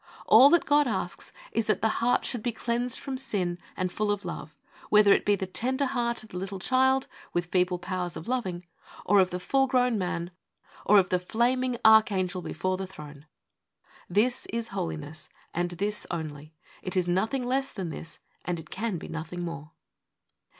All that God asks is that the heart should be cleansed from sin, and full of love, whether WHAT IS HOLINESS ? 7 it be the tender heart of the little child, with feeble powers of loving, or of the full grown man, or of the flaming archangel before the Throne. This is Holiness, and this only. It is nothing less than this, and it can be nothing more.